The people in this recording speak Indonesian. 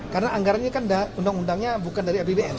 karena anggaranya kan undang undangnya bukan dari abbd dari abbd